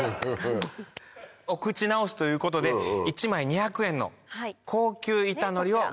お口直しということで１枚２００円の高級板のりをご準備しました。